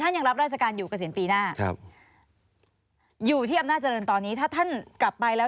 ถ้าใครจะแก้งผมผมพร้อมจะเชื่อสู้อยู่แล้ว